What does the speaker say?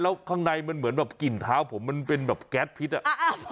แล้วข้างในมันเหมือนแบบกลิ่นเท้าผมมันเป็นแบบแก๊สพิษอ่ะ